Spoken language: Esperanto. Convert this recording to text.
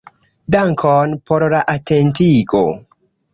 Dankon por la atentigo.